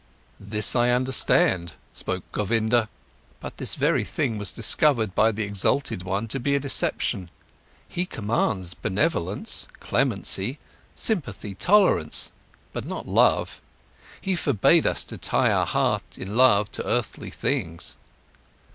"This I understand," spoke Govinda. "But this very thing was discovered by the exalted one to be a deception. He commands benevolence, clemency, sympathy, tolerance, but not love; he forbade us to tie our heart in love to earthly things."